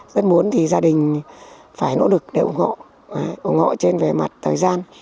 rất muốn thì gia đình phải nỗ lực để ủng hộ ủng hộ trên về mặt thời gian